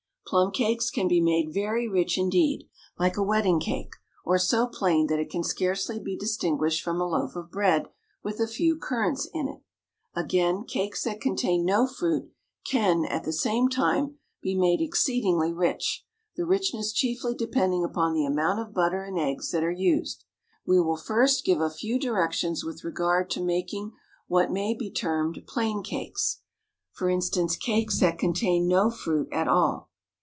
Plum cakes can be made very rich indeed, like a wedding cake, or so plain that it can scarcely be distinguished from a loaf of bread with a few currants in it. Again, cakes that contain no fruit can, at the same time, be made exceedingly rich, the richness chiefly depending upon the amount of butter and eggs that are used. We will first give a few directions with regard to making what may be termed plain cakes, i.e., cakes that contain no fruit at all.